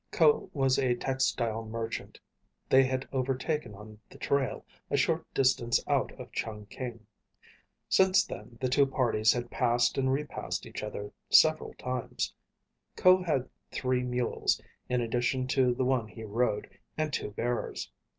Ko was a textile merchant they had overtaken on the trail a short distance out of Chungking. Since then the two parties had passed and repassed each other several times. Ko had three mules, in addition to the one he rode, and two bearers.